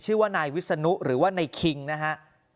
ชื่อว่านายวิศนุหรือว่านายคิงนะฮะ